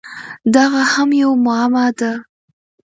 دغه هم یوه معما ده!